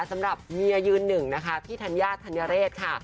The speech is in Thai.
สำหรับเมียยืนหนึ่งพี่ธัญญาธัญญาเรช